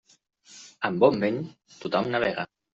Amb bon vent, tothom navega.